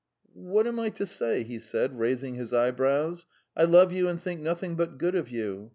"What am I to say?" he said, raising his eyebrows. "I love you and think nothing but good of you.